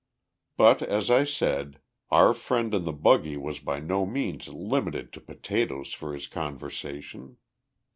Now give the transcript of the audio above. But, as I said, our friend in the buggy was by no means limited to potatoes for his conversation.